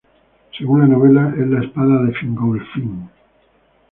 Según la novela, es la espada de Fingolfin.